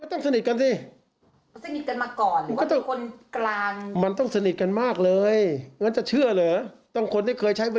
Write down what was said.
คุณซือจริงมีสองคนใช่ไหมครับ